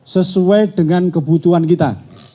sesuai dengan kebutuhan kita